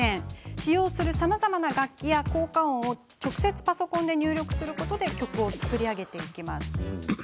使用するさまざまな楽器や効果音を直接パソコンで入力することで曲を作り上げます。